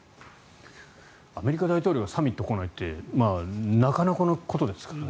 アメリカ大統領がサミットに来ないってまあなかなかのことですからね。